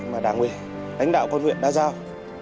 mà đảng quỳ lãnh đạo công an huyện đã giao